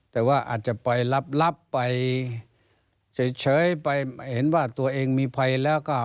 แต่ว่าอาจจะไปรับไปเฉยไปเห็นว่าตัวเองมีภัยแล้วก็